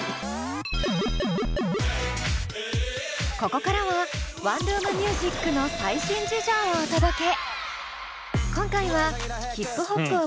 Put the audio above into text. ここからはワンルーム☆ミュージックの最新事情をお届け。